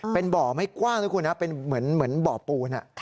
เป็นบ่อไม่กว้างนะคุณนะเป็นเหมือนบ่อปูน